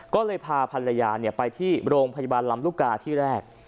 ก็เลยพาภรรยาไปที่โรงพยาบาลลำลูกกาที่แรก